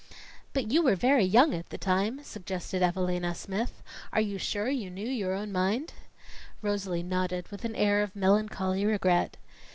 "But you were very young at the time," suggested Evalina Smith. "Are you sure you knew your own mind?" Rosalie nodded with an air of melancholy regret.